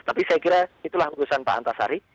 tapi saya kira itulah keputusan pak antasari